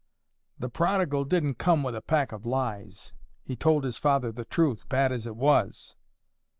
"The prodigal didn't come with a pack of lies. He told his father the truth, bad as it was."